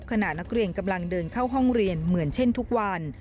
ขณะนักเรียนกำลังเดินเข้าห้องเรียนเหมือนเช่นทุกวัน